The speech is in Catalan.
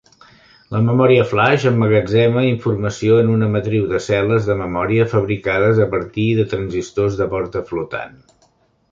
La memòria flaix emmagatzema informació en una matriu de cel·les de memòria fabricades a partir de transistors de porta flotant.